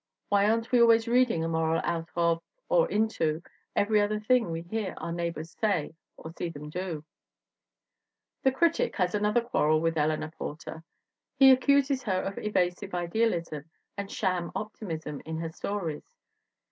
Why, aren't we always reading a moral out of or into every other thing we hear our neigh bors say or see them do? ELEANOR H. PORTER 117 The critic has another quarrel with Eleanor Por ter. He accuses her of "evasive idealism" and "sham optimism" in her stories.